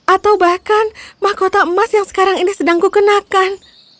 atau bahkan mahkota emas yang sekarang ini sedang kukenakan